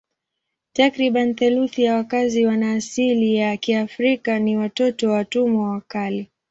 Takriban theluthi ya wakazi wana asili ya Kiafrika ni watoto wa watumwa wa kale.